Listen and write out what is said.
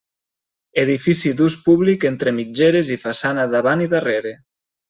Edifici d'ús públic entre mitgeres i façana davant i darrere.